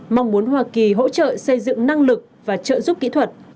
mong muốn hoa kỳ hỗ trợ xây dựng năng lực và trợ giúp kỹ thuật